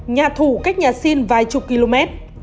nhà thủ cách nhà xin vài chục km